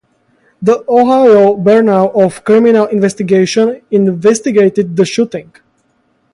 The Ohio Bureau of Criminal Investigation investigated the shooting.